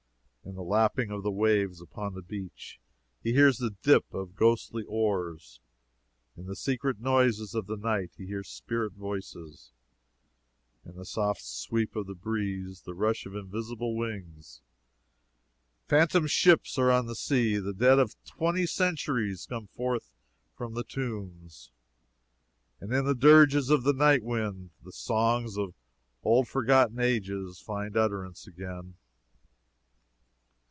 In the lapping of the waves upon the beach, he hears the dip of ghostly oars; in the secret noises of the night he hears spirit voices; in the soft sweep of the breeze, the rush of invisible wings. Phantom ships are on the sea, the dead of twenty centuries come forth from the tombs, and in the dirges of the night wind the songs of old forgotten ages find utterance again.